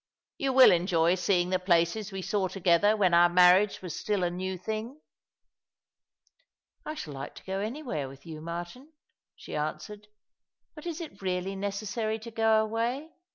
" You will enjoy seeing the places we saw together when our marriage was still a new thing ?" "I shall like to go anywhere with you, Martin," she answered. " But is it really necessary to go away